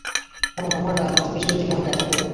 আমার মামার মাথার পিছনের দিকে অনেক ব্যথা করে।